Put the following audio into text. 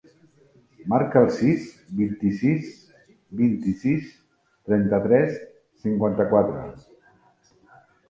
Marca el sis, vint-i-sis, vint-i-sis, trenta-tres, cinquanta-quatre.